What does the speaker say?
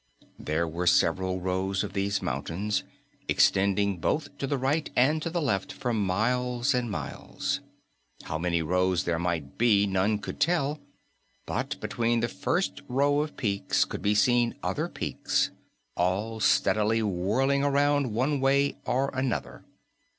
There were several rows of these mountains, extending both to the right and to the left for miles and miles. How many rows there might be none could tell, but between the first row of peaks could be seen other peaks, all steadily whirling around one way or another.